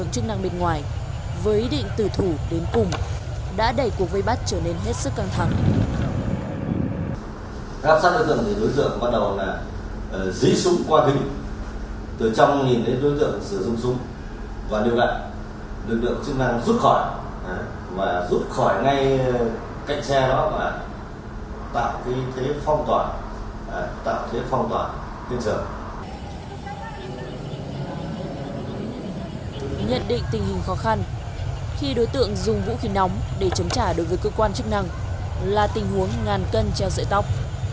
nhận định tình hình khó khăn khi đối tượng dùng vũ khí nóng để chống trả đối với cơ quan chức năng là tình huống ngàn cân treo sợi tóc